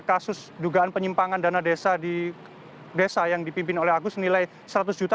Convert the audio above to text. kasus dugaan penyimpangan dana desa di desa yang dipimpin oleh agus nilai seratus juta